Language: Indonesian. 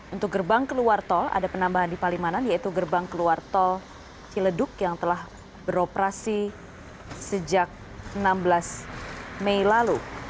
untuk gerbang keluar tol ada penambahan di palimanan yaitu gerbang keluar tol ciledug yang telah beroperasi sejak enam belas mei lalu